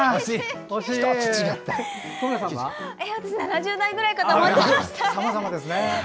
私、７０代くらいかと思っちゃいました。